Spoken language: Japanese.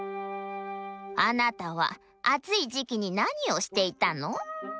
「あなたは暑い時季に何をしていたの？」。